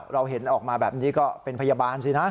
เราเห็นออกมาแบบนี้ก็เป็นพยาบาลสินะ